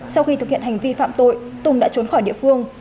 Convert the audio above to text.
sau khi thực hiện hành vi phạm tội tùng đã trốn khỏi địa phương